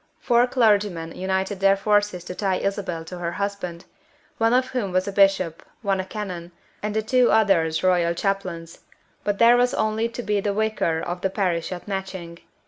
Four clergymen united their forces to tie Isabel to her husband, one of whom was a bishop, one a canon, and the two others royal chaplains; but there was only to be the Vicar of the parish at Matching.